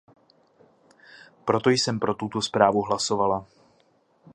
Proto jsem pro tuto zprávu hlasovala.